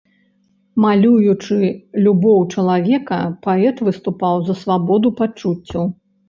Малюючы любоў чалавека, паэт выступаў за свабоду пачуццяў.